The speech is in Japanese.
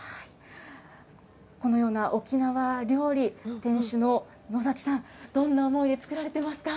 このような沖縄料理、店主の野崎さん、どんな思いで作られてますか。